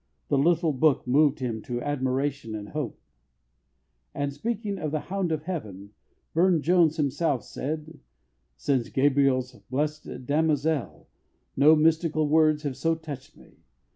The little book moved him to admiration and hope." And, speaking of The Hound of Heaven, Burne Jones himself said: "Since Gabriel's 'Blessed Damozel' no mystical words have so touched me.